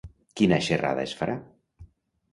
Quina xerrada es farà?